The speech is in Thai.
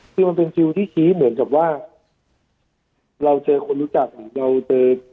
คือมันเป็นคิวที่ชี้เหมือนกับว่าเราเจอคนรู้จักหรือเราเจอ